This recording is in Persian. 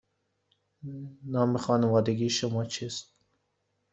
نام خانوادگی شما چیست؟